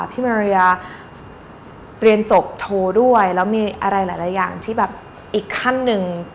พี่มาริยาเรียนจบโทรด้วยแล้วมีอะไรหลายอย่างที่แบบอีกขั้นหนึ่ง